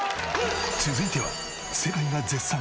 続いては世界が絶賛！